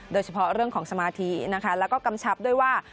โดยเฉพาะเรื่องของสมาธินะคะแล้วก็กำชับด้วยว่า